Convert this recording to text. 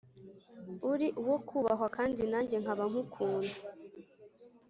uri uwo kubahwa, kandi nanjye nkaba ngukunda.